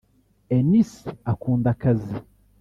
Eunice akunda akazi